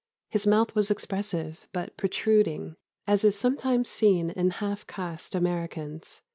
His mouth was expressive, but protruding, as is sometimes seen in half caste Americans."